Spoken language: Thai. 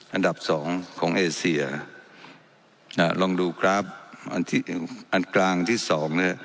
อันดับสองของเอเซียน่ะลองดูกราฟอันที่หนึ่งอันกลางที่สองเนี่ย